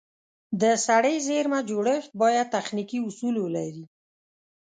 د سړې زېرمه جوړښت باید تخنیکي اصول ولري.